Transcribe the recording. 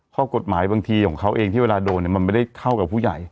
ข้อกฎหมายบางทีของเขาเองที่เวลาโดนมันไม่ได้เท่ากับผู้ใหญ่